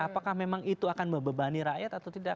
apakah memang itu akan membebani rakyat atau tidak